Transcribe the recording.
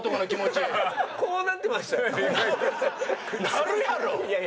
なるやろ！